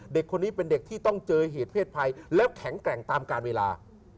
เด็กคนนี้เป็นเด็กที่ต้องเจอเหตุเพศภัยแล้วแข็งแกร่งตามการเวลา